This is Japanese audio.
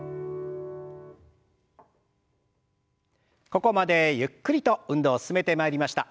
ここまでゆっくりと運動進めてまいりました。